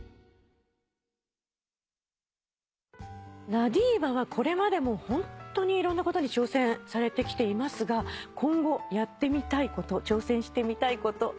ＬＡＤＩＶＡはこれまでもホントにいろんなことに挑戦されてきていますが今後やってみたいこと挑戦してみたいことありますか？